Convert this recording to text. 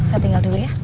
saya tinggal dulu ya